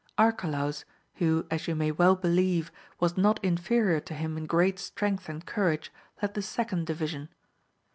Arcalaus, who, as you may well helieve, was not inferior to him in great strength and courage, led the second division.